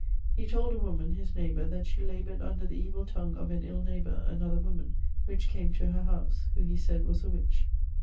He told a woman (his neighbour) that she laboured under the evill tongue of an ill neighbour (another woman), which came to her howse, who he sayd was a witch.